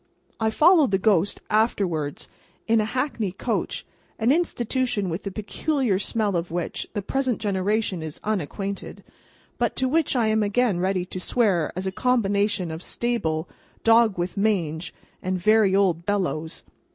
I followed the ghost, afterwards, in a hackney coach; an institution with the peculiar smell of which, the present generation is unacquainted, but to which I am again ready to swear as a combination of stable, dog with the mange, and very old bellows.